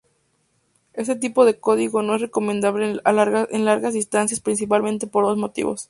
Este tipo de código no es recomendable en largas distancias principalmente por dos motivos.